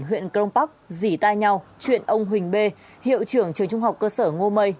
huyện crong park dì tai nhau chuyện ông huỳnh bê hiệu trưởng trường trung học cơ sở ngô mây